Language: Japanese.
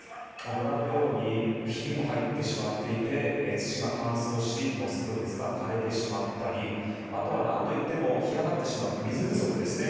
ご覧のようにひびも入ってしまっていて土が乾燥し農作物が枯れてしまったりあとは、なんといっても干上がってしまって水不足ですね